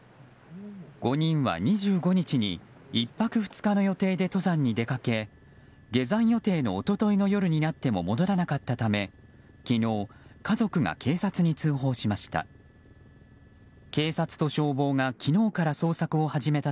５人は２５日に１泊２日の予定で登山に出かけ下山予定の一昨日の夜になっても戻らなかったため昨日、家族が警察に通報しました。